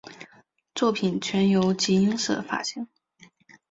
作品全由集英社发行。